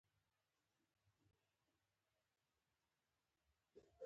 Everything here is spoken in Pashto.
په افغانستان کې مېوې ډېر اهمیت لري.